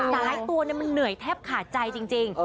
หลายตัวมันเหนื่อยแทบขาดใจจริง